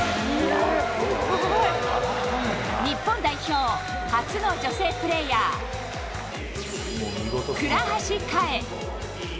日本代表初の女性プレーヤー、倉橋香衣。